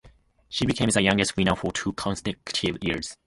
She became the youngest winner for two consecutive years.